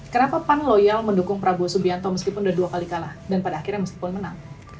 kenapa pan loyal mendukung prabowo subianto meskipun sudah dua kali kalah dan pada akhirnya meskipun menang